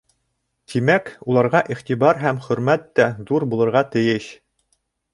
Тимәк, уларға иғтибар һәм хөрмәт тә ҙур булырға тейеш.